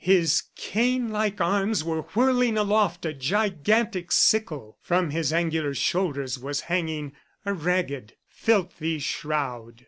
His cane like arms were whirling aloft a gigantic sickle. From his angular shoulders was hanging a ragged, filthy shroud.